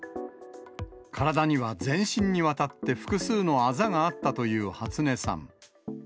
体には全身にわたって複数のあざがあったという初音さん。